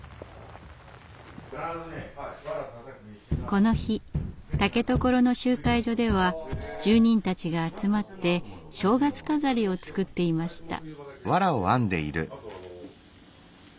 この日竹所の集会所では住人たちが集まって正月飾りを作っていました。